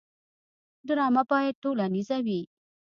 ډرامه باید ټولنیزه وي